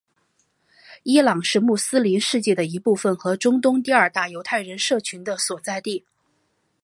伊朗是穆斯林世界的一部分和中东第二大犹太人社群的所在地。